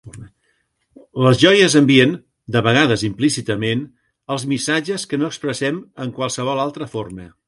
Les joies envien, de vegades implícitament, els missatges que no expressem en qualsevol altra forma.